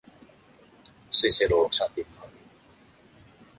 四四六六拆掂佢